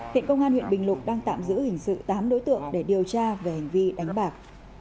hiện công an huyện bình lục đang tạm giữ hình sự tám đối tượng để điều tra về hành vi đánh bạc